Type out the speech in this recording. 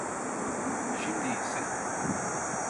Şimdi ise…